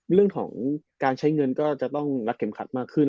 เรื่องของการใช้เงินก็จะต้องรัดเข็มขัดมากขึ้น